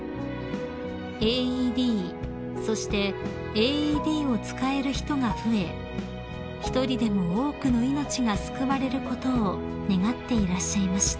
［ＡＥＤそしてＡＥＤを使える人が増え一人でも多くの命が救われることを願っていらっしゃいました］